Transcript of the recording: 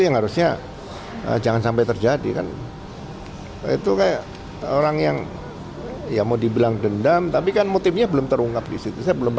menurut pandangan bapak pribadi itu memang sesuai atau sepeda apa